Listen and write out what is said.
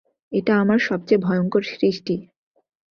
এটা আমার সবচেয়ে ভয়ঙ্কর সৃষ্টি।